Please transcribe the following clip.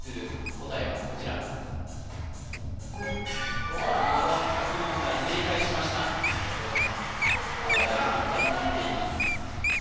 答えはこちらお見事書き問題正解しましたありがとうございますまだライフ２つ持っています